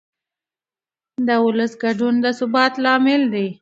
د ولس ګډون د ثبات لامل دی